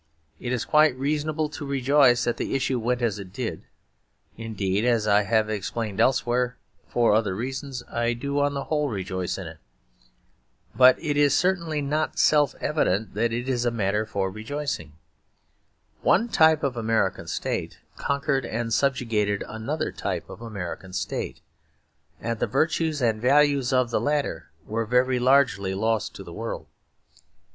It is quite reasonable to rejoice that the issue went as it did; indeed, as I have explained elsewhere, for other reasons I do on the whole rejoice in it. But it is certainly not self evident that it is a matter for rejoicing. One type of American state conquered and subjugated another type of American state; and the virtues and value of the latter were very largely lost to the world.